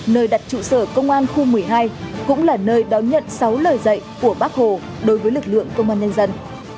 nơi đặt trụ sở công an khu một mươi hai cũng là nơi đón nhận sáu lời dạy của bác hồ đối với lực lượng công an nhân dân